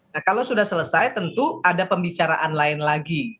nah kalau sudah selesai tentu ada pembicaraan lain lagi